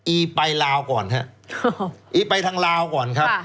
อีไปลาวก่อนครับอีไปทางลาวก่อนครับ